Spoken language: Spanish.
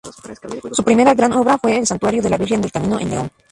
Su primera gran obra fue el santuario de la Virgen del Camino en León.